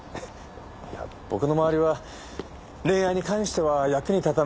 いや僕の周りは恋愛に関しては役に立たない人ばかりで。